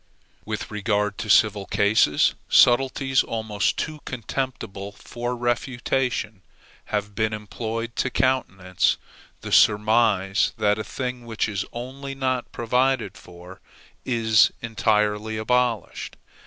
With regard to civil causes, subtleties almost too contemptible for refutation have been employed to countenance the surmise that a thing which is only not provided for, is entirely abolished.